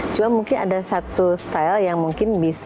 cuma mungkin ada satu style yang mungkin bisa